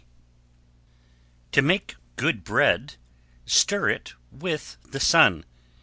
To make good bread, stir it with the sun.